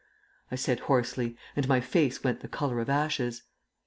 I said hoarsely, and my face went the colour of ashes.